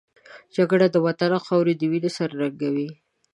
جګړه د وطن خاوره د وینو سره رنګوي